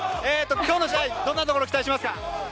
今日の試合どんなところに期待しますか？